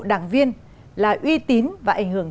tiên là uy tín và ảnh hưởng